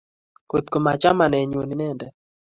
kotgo machamenenyu inenendet